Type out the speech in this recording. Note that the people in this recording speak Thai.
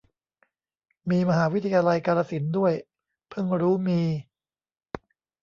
มีมหาวิทยาลัยกาฬสินธ์ด้วย เพิ่งรู้มี